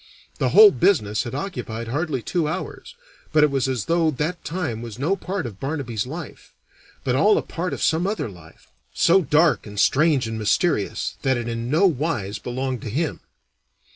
The whole business had occupied hardly two hours, but it was as though that time was no part of Barnaby's life, but all a part of some other life, so dark and strange and mysterious that it in no wise belonged to him.